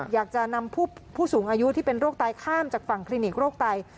อยากจะนำผู้สูงอายุที่เป็นโรคไตข้ามจากฝั่งคลินิกโรคไต